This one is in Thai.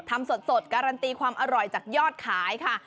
ทำสดการันตีความอร่อยจากยอดขายค่ะ